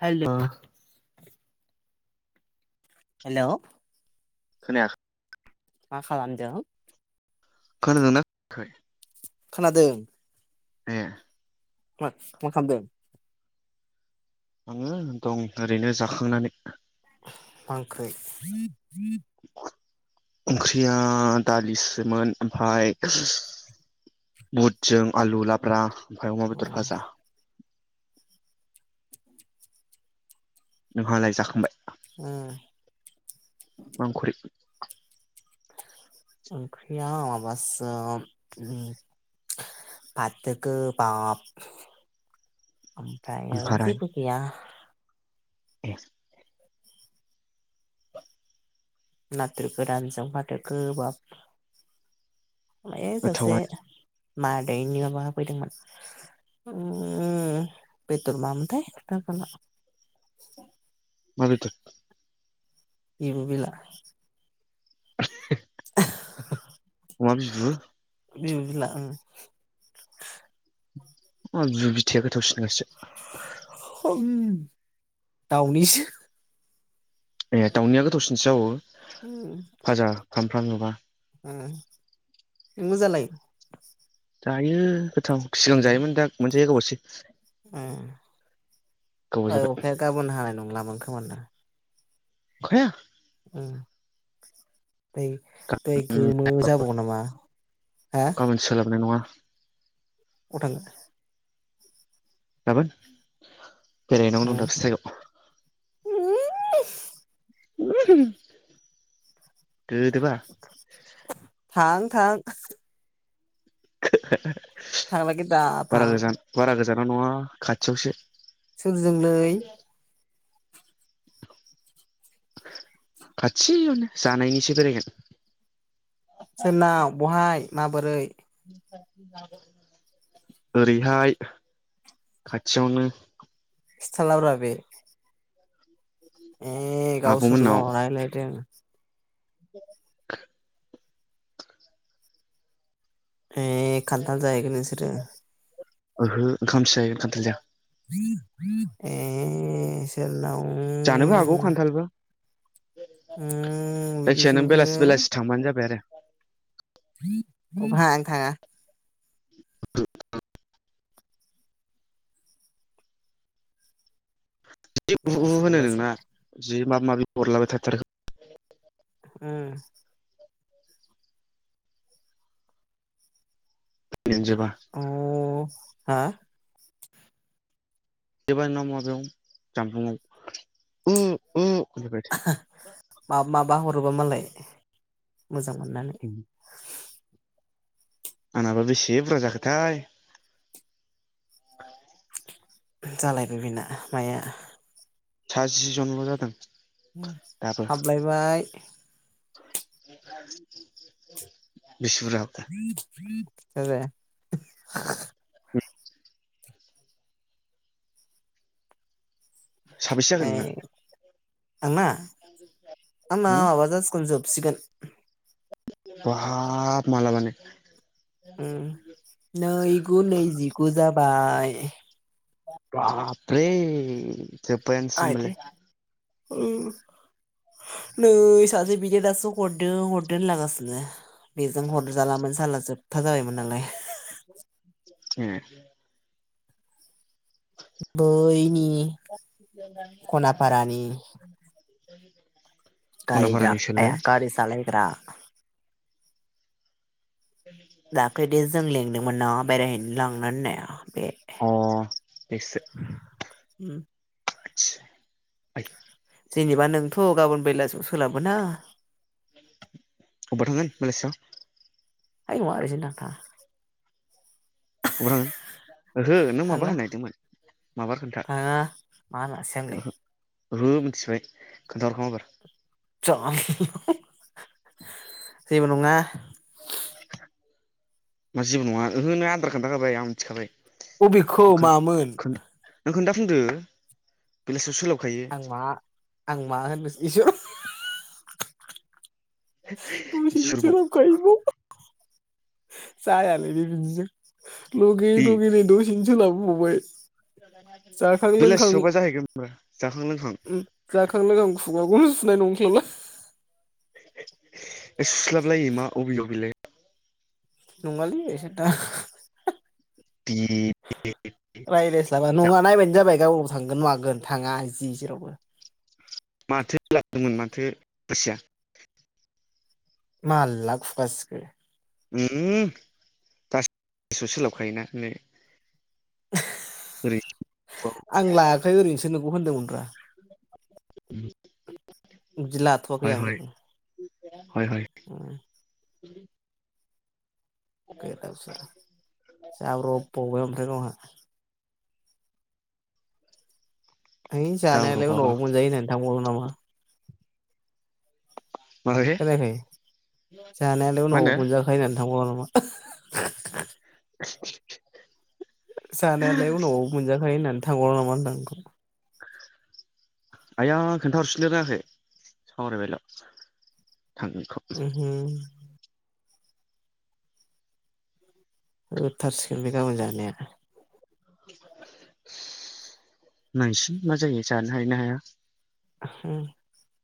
हेल' [unintelligible] hello खोनाया मा खालामदों? खोनादों ना खै? खोनादों ‌। ए मा मा खामदों? आङो? दं ओरैनो जाखांनानै। मा ओंख्रै? [inaudible] ओंख्रिया दालिसोमोन ओमफाय बुटजों आलु लाब्रा। ओमफ्राय अमा बेदर भाजा। नोंहालाय जाखांबाय? ओम ‌ मा उख्रै [unintelligible] ओंख्रैया माबासो ओम फाथो गोबाब ओफ्रायो ओमफाराय जेबो गैया। ए नाथुर गोरानजों फाथो गोबाब ए सासे गोथावानो मादैनि माबा होफैदोंमोन उम बेदर मामोनथाय खिथाजाला मा बेदर एबु बेला [inaudible] [inaudible] अमा बिबु बिबु बेला ओं मा बिबु बिथे थुस [unintelligible] नोसो दावनिसो ए दाउनिया गोथावसिनसो जाबावो उम सानफ्राम नुबा उम नोंबोजालायो? जायो। थ सिगां जायोमोन दा मोनजायोआ गोबावसै गोबाव जाबाय। होमोनदा अखाया ओम बै ओय गोमो जाबावो नामा? हा गाबोन सोलाबनाय नङा। [inaudible] अबाव थांनो गाबोन बेरायहैनांगौ दं उम दाबसे जायगायाव [unintelligible] [unintelligible] गोदोबा थां थां [unintelligible] थांलागि दा थां जाना न'आ खाथियावसो सोरजोंलै खाथियावनो जानायनिसो बेरायगोन। सोरनाव बहाय? माबोरै? ओरैहाय खाथियावनो खिथाला बारा बि उम गावसोरल' आब'मोननाव रायलायदों। [inaudible] ए खाथाल जायाखै नोंसोर [inaudible] ओहो ओंखायनो जायो खान्थाल जाया। ए सोर नाव? जानोबो हागौ खान्थालबो उम जायखिया बिदिसो नों नोंसोरो बेलासि बेलासि थांबानो जाबाय आरो। क'बाय आं थाङा। जि बुहु बेलासो होनो नों बुलासो ना जि माबा माबि हरलाबाय थाथारखो उम गन जबा आ एबार ना माबायाव जामफुंआव [unintelligible] माब माबा हर गबा मालाय मोजां मोननानै आंनाबा बेसे बुरजा जाखोथाय? जालायबो बिना माइया साजि जनल' जादों। दाबो हाबलायबाय [unintelligible] [inaudible] आबे साबेसे जागोन उम आंना आंना नोंना माबा सखु जोबसिगोन। बाब माला बानो। उम नैगु नैजिगु जाब बाय बाबरे आयदै जपायानोसिमलाय। नै सासे बिदि दासो हरदों हरदो होनलागासिनो बेजों हरजालामोन जााला जोब थोबथा जाबायमोन नालाय ए बयनि [unintelligible] [inaudible] खनाफारानि सोलाय [unintelligible] गारि सालायग्रा दाख्लै दे जों लेंदों [unintelligible] बेरायहैनो लांनो होननाया बे अ एसो उम। [unintelligible] जेनेबा नोंथ' गाबोन बेलासियाव सोलाबो ना। अबाव थांगोन बेलासेयाव। ओइ नङा ओरैनोसो होनदों आं थाङा। [unintelligible] ओ थाङा थाङा मा होनासो आंलाय मिथिबाय खोन्थाहरखा माबार। जा [unintelligible] जेबो नङा। मा जेबो नङा होनो आद्रा खोन्थाखाबाय आं मिथिखाबाय। अबेखौ खोन मामोन। खोन नों खोन्था फिनदो बेलासियाव सोलाब आं मा आं मा होननोस [unintelligible] [unintelligible] इसोरबाव जायाखै बि बिदिजों। लगे दे लगे बे द'से खोला बुबावबाय। बेलासियावबा जाहैगोन खोमा जाखां लोंखां। उम जाखां लोंखां [unintelligible] सुस्लाबलायै मा बबेयाव बिलाय। नङालै [unintelligible] बि रायलजाला नङा नायबानो जाबाय गाबोन। थांगोन मागोन थाङा जि जेरावबो। माथो लाबोदोंमोन माथो बसिया। मा लास लास दास गोसो सोलाबखायोना होनो। आं लायाखै ओरैनोसो होनदों [unintelligible] होनदोमोन ब्रा [inaudible] दि लाथवाखै हय आं हय हय हय उम गोदाव सोराव [unintelligible] है जाब्र' जानायालाय बाबा उनावबो मोनजायो होननानै थांबावो नामा [unintelligible] माबाखै खोनायाखै जानायालाय मा उनाव होनो मोनजाखायो होननानै थांबावा [unintelligible] [unintelligible] जानायालाय उनावबाबो मोनजाखायो होननानै [unintelligible] आइया खोन्थााहरफिननो रोङाखै सावरायबायलायाव उम हु होथारसिगोन बे गाबोन जानाया नायसै मा जायो जानो हायो ना हाया [unintelligible]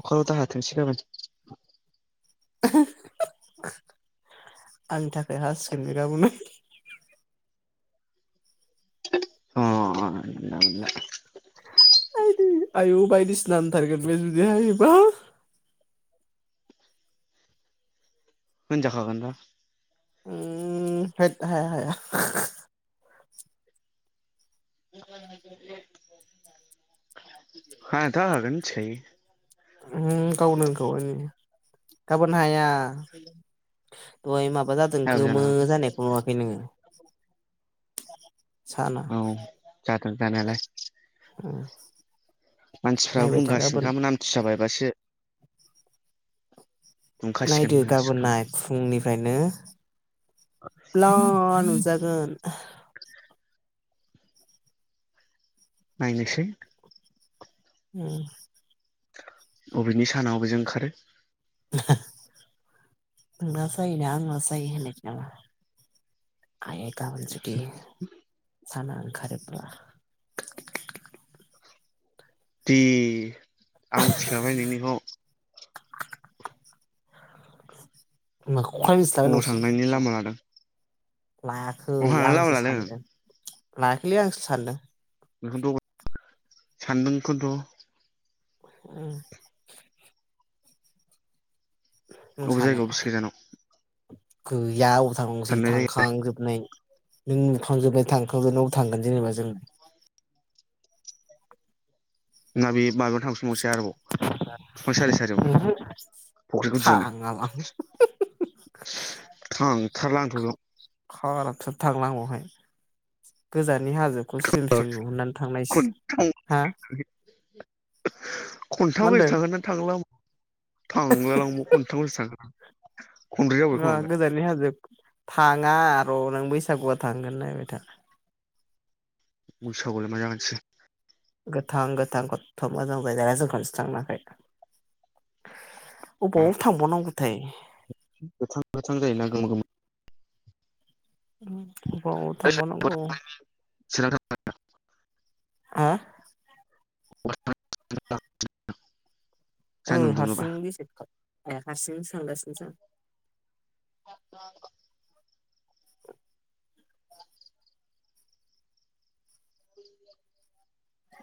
अखाल' दा हाथोंसै गाबोन आंनि थाखाय हासिगोन गाबोनो [unintelligible] आयदै आयु बायदिसिना होनथारगोन बे जुदि हायोबा होनजाखागोनबा उम होद हाया हाया हानायाथ हाखागोन मिथिखायो। उम गावनो हैनखाबाय नै, गाबोन हाया हेलौ [unintelligible] माबा जादों गोमो जानायखौ नुवाखै नोङो साना औ जादों जानायालाय [unintelligible] मानसिफ्राबो नायबाय था गाबोन बुंगासिनोखामोन आमथिसुवा बायबासो दुंखासिगोन नायदो गाबोन होनगासिनोखामोन नाय फुंनिफ्रायनो ब्ला नुजागोन [unintelligible] नायनोसै उम। बबेनि सानावबो जों ओंखारो नोंनासो जायो ना आंनासो जायो होनलायदो नामा? [unintelligible] खारोब्ला दि आं मिथिखाबाय नोंनिखौ माखौ? अखा मिस्लां अबाव नसि थांनायनि लामा लादों लायाखै अहा लामा आंसो लादों सानदों। लाखैैलै आंसो सानदों। बेखौथ' सानदों खौथ'? उम। अबे सानो जायगायाव बेसे गोजानाव? गैया। अबाव थांबावनोसि साननाय जायो आरो थांखांजोबनाय।। नों नुखांजोबबाय थांखबाय न'आव थांगोन जेनेबा जों ना बे मा थांसावसै आरोबाव बिफां सारि सारियावनो ओहो फुख्रिखौ दिहुननो थाङा लां थांथारला आंथ' बियाव। खाराबथार थांला आं बावहाय। गोजा नि हांखोखौ स्लिम स्लिम नुहुरनानै थांनायसै खनथाम हा? मा खन्थाम गोजोन होनदों थांखांना थांलां हो थांला लां म' खन्थाम गोजोन थांखौ? ओ गोजाननि हाजो थाङा र' नों बैसागुआ थांगोन नायबाय था। बैसागु आवलाय मा जागोनसि? गोथां गोथां खथथ' मोजां जायगा जों खौनसे थांनायखै। अबाव थांबावनांगौथाय गोथां गोथां जायोना गोमो गोमो अबाव थांबव नांगौ? हो? सानदुं [unintelligible] औ दुङोबा हारसिं बेसे ए हारसिं सानगासिनो आं। अ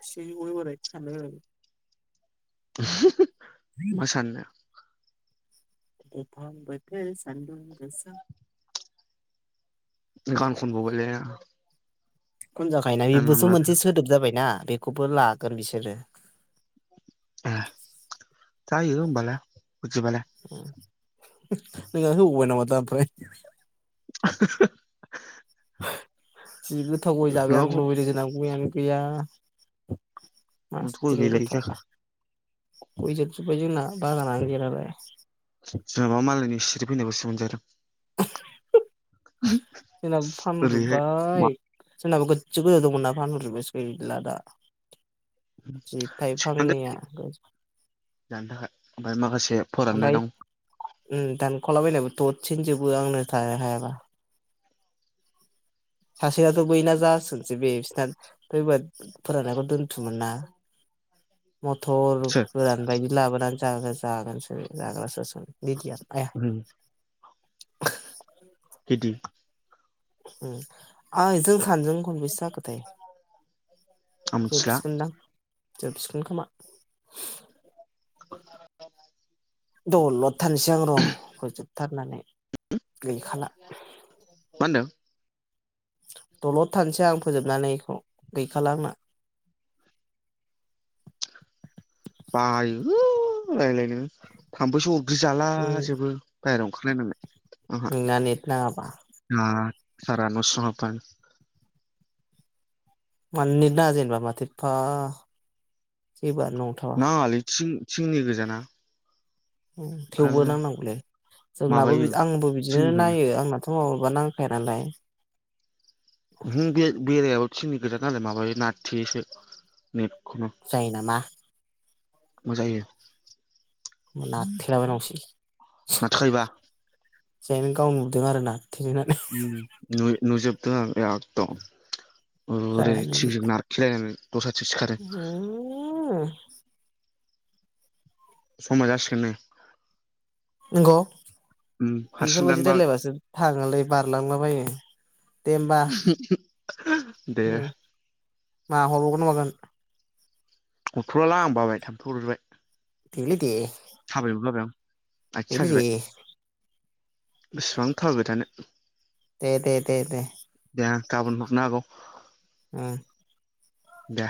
से गयबाय थानो [unintelligible] मोसान्नो। दुफां बोथोर सान्दुं गोसा गान खनबावबायले खुन जाखायोना बेबोथ' मोनसे सोदोब जाबायना। बेखौबो लागोन बिसोरो। [inaudible] जायो होमबालाय। बिदिबालाय। नोङो होबावनाय नामा दा ओमफ्राय। [unintelligible] जि गोथाव गय जाबाय आं लुबैदोंसो ना [unintelligible] गैया। मासथिनि गैलायै जाखो गथआ गयजो ओमफ्राय जोंना बागानानो गैया नालाय। जोनाबा मालायनि सिरि फैनायखोसो मोनजादों। जोंनाबो ओरैहाय मा फानजोब्बाय जोंनाबो गोजौ गोजा दंमोन नाम फानहरजोबबायसो गैला दा। जि थिनानै थाइफांनिया। जानो थाखाय ओमफाय माखासे फोराननाय ओमफाय दं ओम दान खावलाबायनायबो ददसेनो जोबो आंनो थाया हायाबा। सासेआथ बैना जासोसै बेसना फैबा फोरानायखौ दोन्थुमो ना। मथर सोर गोरान बायदि लाबोनान जागो जागोनसो बे जाग्रासो। मिडिया आया। [unintelligible] [unintelligible] ओं आइ जों सानजों गनबैसो जाखोथाय आं मिथिला जोबसिगोनदां। जोबसिगोन खोमा। [unintelligible] दलद। थाननोसै आं र फोजोब थारनानै मा होनदों दलद थानोसै आं फोजोबनानैखौ गैखाला आंना बायो रायजलायनो थाम्फैसो ब्रि जाला उम जोबो बाहेराव [inaudible] नोंना नेट नाङा बा बिराद सारा न सिङाउ हाबाय मानो नेट नाङा जेनबा माथो एफा एबार नंथावा सिंनि गोजाना थेवबो ओंखायनो नांनांगौलै जोंनाबो माबायो आंबो बिदिनो थिंनिखायनो नायो आंना फुं आवबा नांखाया नालाय [inaudible] सिनि गोजान [unintelligible] जायो नामा मोजाङै हो नारथेलाबायनांगौसै [inaudible] [unintelligible] गावनो नुदों आरो ना नु नुजोब [inaudible] गुरैरै जायालै बे थिंजोंं नारखिलायनानै दस्राथिं सिखारो [inaudible] समा जासिगोन नै नोंगौ उम बेफोर हारसिं बादि दानबा रायज्लायबासो थाङालाय बारलांलाबायो दे होमबा दे उम मा हरावगोना मागोन [inaudible] देलै दे [inaudible] आथिं साजोबबाय [inaudible] बेसेबां थाबायथानो दे दे दे दे दे गाबोन हरनो हागौ उम दे